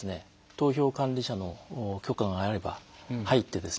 投票管理者の許可があれば入ってですね